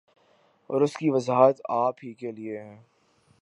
اور اس کی وضاحت آپ ہی کیلئے ہیں